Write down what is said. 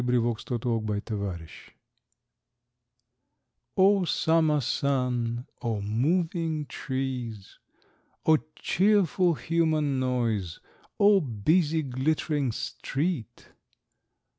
CRIPPS. O Summer sun, O moving trees! O cheerful human noise, O busy glittering street!